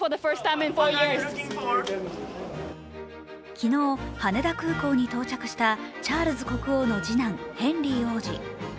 昨日、羽田空港に到着したチャールズ国王の次男ヘンリー王子。